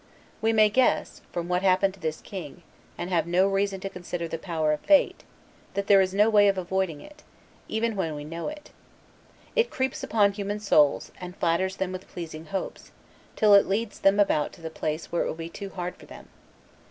We may also guess, from what happened to this king, and have reason to consider the power of fate; that there is no way of avoiding it, even when we know it. It creeps upon human souls, and flatters them with pleasing hopes, till it leads them about to the place where it will be too hard for them.